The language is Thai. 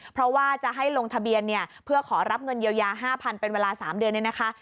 เพราะว่าจะให้ลงทะเบียนเนี่ยเพื่อขอรับเงินเยียวยา๕๐๐เป็นเวลา๓เดือนเนี่ยนะคะ